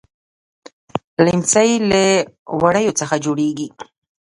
ليمڅی له وړيو څخه جوړيږي.